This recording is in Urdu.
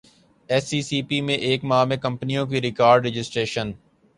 ایس ای سی پی میں ایک ماہ میں کمپنیوں کی ریکارڈرجسٹریشن